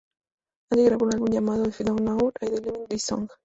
Andy grabó un álbum llamado "If I'd Known I'd Live This Long...".